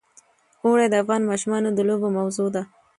اوړي د افغان ماشومانو د لوبو موضوع ده.